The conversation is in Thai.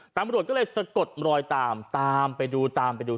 ตำรวจก็เลยสะกดรอยตามตามไปดูตามไปดู